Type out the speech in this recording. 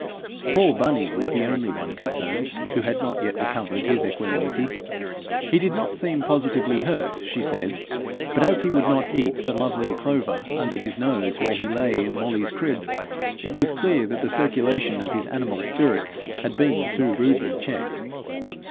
Poor bunny was the only one concerned who had not yet recovered his equanimity. He did not seem positively hurt, she said, but as he would not eat the lovely clover under his nose where he lay in Molly's crib, it was clear that the circulation of his animal spirits had been too rudely checked.